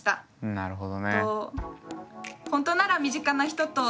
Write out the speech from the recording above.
なるほど。